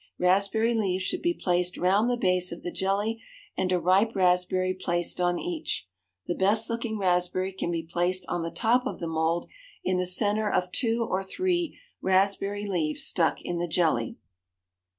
Raspberry leaves should be placed round the base of the jelly and a ripe raspberry placed on each. The best looking raspberry can be placed on the top of the mould in the centre of two or three raspberry leaves stuck in the jelly.